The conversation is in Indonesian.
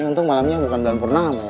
ini untung malemnya bukan bulan pernama